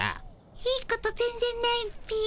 いいこと全ぜんないっピ。